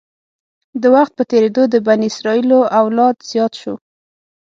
د وخت په تېرېدو د بني اسرایلو اولاد زیات شو.